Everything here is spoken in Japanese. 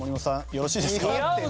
よろしいですか？